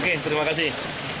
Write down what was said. oke terima kasih